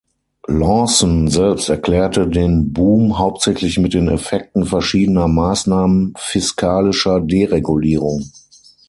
Lawson selbst erklärte den Boom hauptsächlich mit den Effekten verschiedener Maßnahmen fiskalischer Deregulierung.